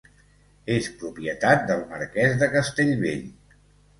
És propietat del marquès de Castellvell.